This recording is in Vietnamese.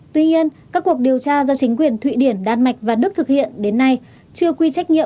tuy nhiên các cuộc điều tra do chính quyền thụy điển đan mạch và đức thực hiện đến nay chưa quy trách nhiệm cho bất kỳ quốc gia hay chủ thể nào